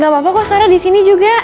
gak apa apa gue sarah disini juga